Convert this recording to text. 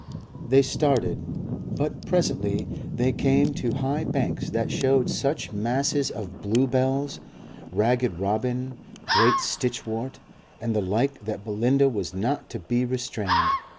They started, but presently they came to high banks that showed such masses of bluebells, ragged Robin, great stitchwort and the like that Belinda was not to be restrained.